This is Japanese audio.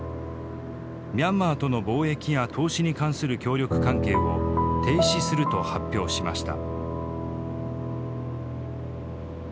ミャンマーとの貿易や投資に関する協力関係を停止すると発表しました。